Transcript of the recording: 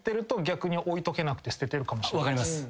分かります